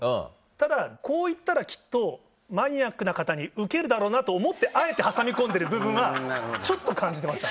ただこう言ったらきっとマニアックな方に受けるだろうなと思ってあえて挟み込んでる部分はちょっと感じてました。